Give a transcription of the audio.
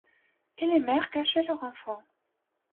Et les mères cachaient leurs enfants.